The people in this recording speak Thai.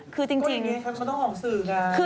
ก็อย่างนี้ควรจะต้องออกสื่อกัน